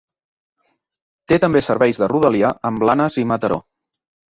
Té també serveis de rodalia amb Blanes i Mataró.